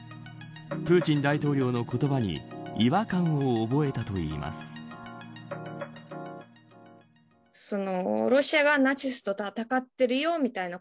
プーチン大統領の言葉に違和感を覚えたといいます。